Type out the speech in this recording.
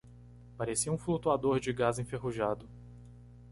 Parecia um flutuador de gás enferrujado.